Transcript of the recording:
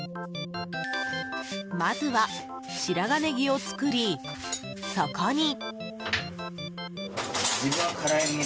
まずは白髪ネギを作り、そこに。